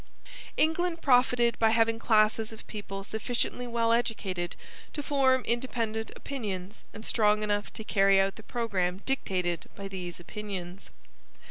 England profited by having classes of people sufficiently well educated to form independent opinions and strong enough to carry out the programme dictated by these opinions.